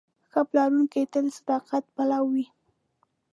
ښه پلورونکی تل د صداقت پلوی وي.